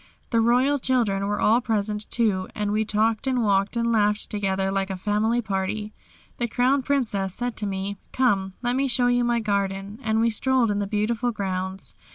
The royal children were all present, too, and we talked and walked and laughed together like a family party. The Crown Princess said to me, "Come, let me show you my garden," and we strolled in the beautiful grounds.